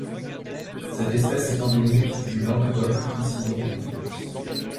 Cette espèce est endémique du Languedoc-Roussillon en France.